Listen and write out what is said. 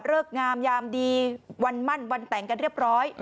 งามยามดีวันมั่นวันแต่งกันเรียบร้อย